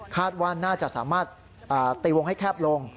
ว่าน่าจะสามารถตีวงให้แคบลง